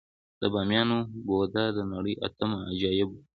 د بامیانو بودا د نړۍ اتم عجایب و